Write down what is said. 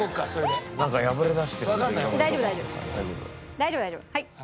大丈夫大丈夫はい。